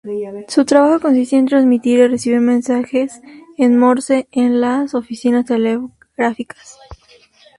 Su trabajo consistía en transmitir y recibir mensajes en morse en las oficinas telegráficas.